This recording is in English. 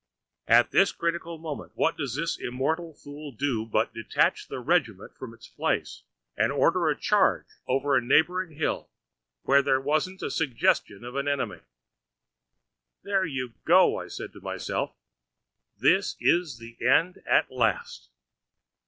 At this critical moment, what does this immortal fool do but detach the regiment from its place and order a charge over a neighbouring hill where there wasn't a suggestion of an enemy! 'There you go!' I said to myself; 'this is the end at last.'